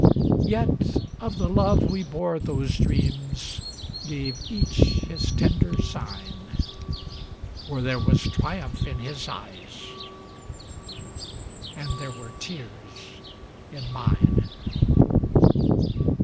Yet of the love we bore those dreams Gave each his tender sign; For there was triumph in his eyes And there were tears in mine!